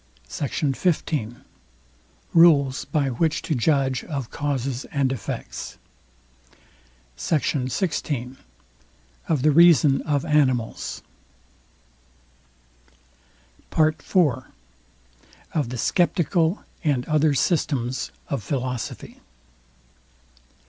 SECT. XV. RULES BY WHICH TO JUDGE OF CAUSES AND EFFECTS. SECT. XVI OF THE REASON OF ANIMALS PART IV. OF THE SCEPTICAL AND OTHER SYSTEMS OF PHILOSOPHY.